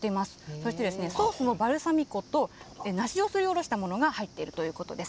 そしてソースのバルサミコと梨をすりおろしたものが入っているということです。